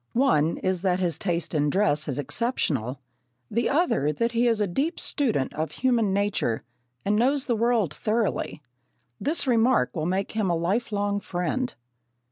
One is that his taste in dress is exceptional; the other that he is a deep student of human nature and knows the world thoroughly. This remark will make him your lifelong friend.